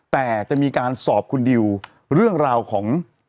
แต่จะมีการสอบคุณดิวเรื่องราวของ